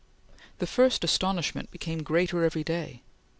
The first astonishment became greater every day.